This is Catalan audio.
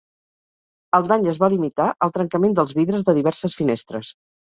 El dany es va limitar al trencament dels vidres de diverses finestres.